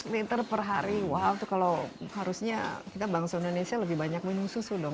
seratus liter per hari wow tuh kalau harusnya kita bangsa indonesia lebih banyak minum susu dong